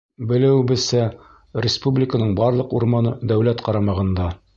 Белеүебеҙсә, республиканың барлыҡ урманы дәүләт ҡарамағында.